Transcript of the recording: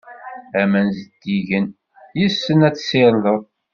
Aman zeddigen, yes-sen ad tsirdeḍ.